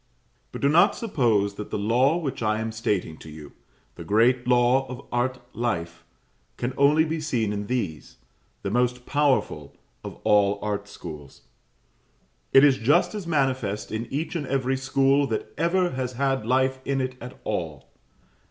But do not suppose that the law which I am stating to you the great law of art life can only be seen in these, the most powerful of all art schools. It is just as manifest in each and every school that ever has had life in it at all.